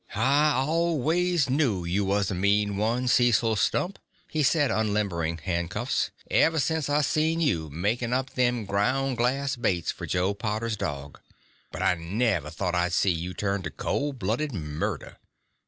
"I always knew you was a mean one, Cecil Stump," he said, unlimbering handcuffs, "ever since I seen you makin' up them ground glass baits for Joe Potter's dog. But I never thought I'd see you turn to cold blooded murder."